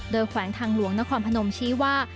แขวงทางหลวงนครพนมชี้ว่า